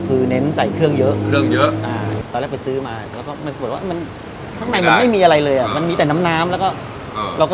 เป็ดย่าง